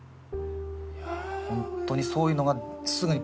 本当にそういうのがええー！